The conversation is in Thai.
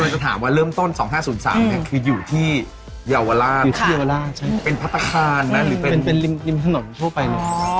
ซึ่งเริ่มต้น๒๕๐๓คืออยู่ที่เยาวลาเป็นพัฒนาการไหมเป็นริมถนนทั่วไปเลย